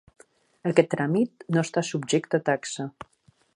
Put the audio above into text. Aquest tràmit no està subjecte a taxa.